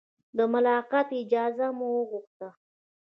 د ملاقات اجازه مو وغوښته.